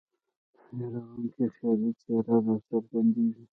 ویرونکې خیالي څېره را څرګندیږي.